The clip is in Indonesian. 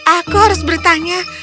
aku harus bertanya